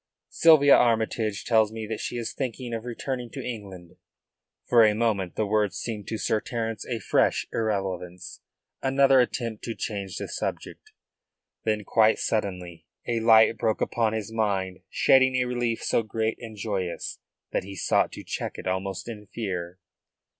"Sylvia Armytage tells me that she is thinking of returning to England." For a moment the words seemed to Sir Terence a fresh irrelevance; another attempt to change the subject. Then quite suddenly a light broke upon his mind, shedding a relief so great and joyous that he sought to check it almost in fear.